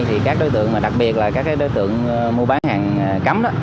thì các đối tượng mà đặc biệt là các đối tượng mua bán hàng cấm đó